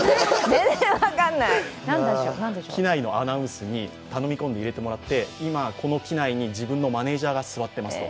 機内のアナウンスに頼み込んで入れてもらって、今、この機内に自分のマネージャーが座っていますと。